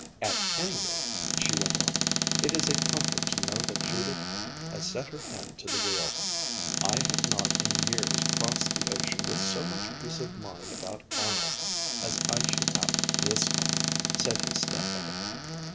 "At any rate," she went on, "it is a comfort to know that Judith has set her hand to the wheel. I have not in years crossed the ocean with so much peace of mind about Arnold as I shall have this time," said his stepmother.